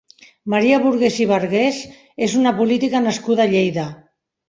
Maria Burgués i Bargués és una política nascuda a Lleida.